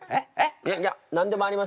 いやいや何でもありません。